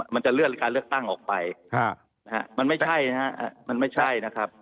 มันจะเลื่อนการเลือกตั้งออกไปมันไม่ใช่นะครับ